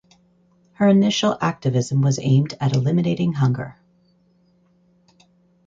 Her initial activism was aimed at eliminating hunger.